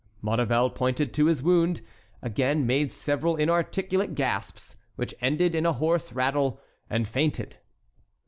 Maurevel pointed to his wound, again made several inarticulate gasps, which ended in a hoarse rattle, and fainted.